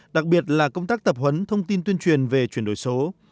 đặc biệt là công tác tập huấn thông tin tuyên truyền về chuyển đổi số